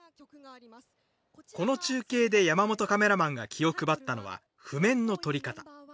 この中継で山本カメラマンが気を配ったのは譜面の撮り方。